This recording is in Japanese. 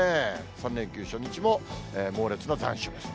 ３連休初日も猛烈な残暑です。